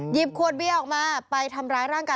ขวดเบียร์ออกมาไปทำร้ายร่างกาย